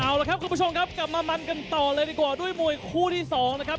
เอาละครับคุณผู้ชมครับกลับมามันกันต่อเลยดีกว่าด้วยมวยคู่ที่สองนะครับ